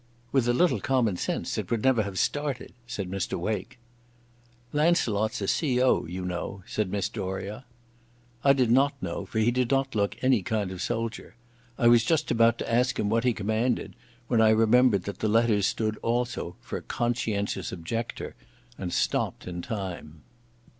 "With a little common sense it would never have started," said Mr Wake. "Launcelot's a C.O., you know," said Miss Doria. I did not know, for he did not look any kind of soldier.... I was just about to ask him what he commanded, when I remembered that the letters stood also for "Conscientious Objector," and stopped in time.